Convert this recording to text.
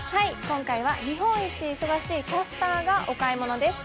今回は日本一忙しいキャスターがお買い物です。